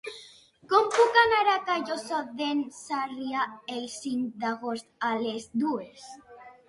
Com puc anar a Callosa d'en Sarrià el cinc d'agost a les dues?